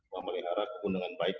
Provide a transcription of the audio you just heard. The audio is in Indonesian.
memelihara keundangan baik